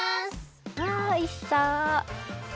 わおいしそう！